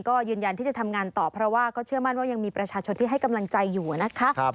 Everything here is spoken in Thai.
ก็ยืนยันที่จะทำงานต่อเพราะว่าก็เชื่อมั่นว่ายังมีประชาชนที่ให้กำลังใจอยู่นะคะ